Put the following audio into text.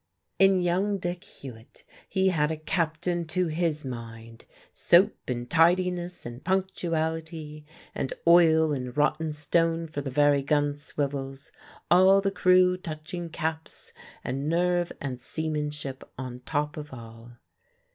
In young Dick Hewitt he had a captain to his mind: soap and tidiness and punctuality, and oil and rotten stone for the very gun swivels; all the crew touching caps, and nerve and seamanship on top of all.